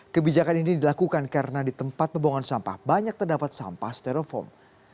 kebijakan ini dilakukan karena di tempat pembuangan sampah banyak terdapat sampah stereofoam